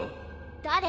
誰？